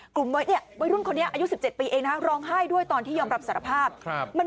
กลุ่มหนึ่งก็คือ